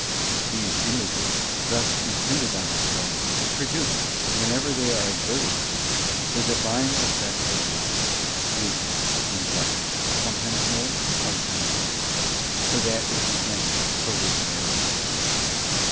These images, thus imprinted on the soul, produce, when ever they are adverted to, the Divine effects of love, sweet ness, and light, sometimes more, sometimes less, for that is the end for which they are impressed.